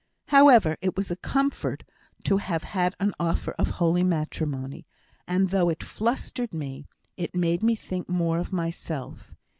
However, it was a comfort to have had an offer of holy matrimony; and though it flustered me, it made me think more of myself.